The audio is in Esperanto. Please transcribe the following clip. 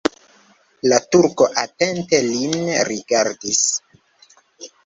La turko atente lin rigardis.